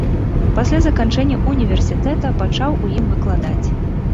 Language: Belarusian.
Пасля заканчэння ўніверсітэта пачаў у ім выкладаць.